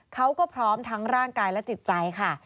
เขาก็พร้อมทั้งร่างกายและจิตใจค่ะ